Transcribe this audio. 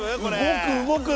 動く動く。